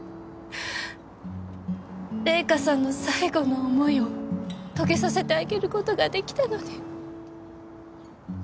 玲香さんの最後の思いを遂げさせてあげる事が出来たのに。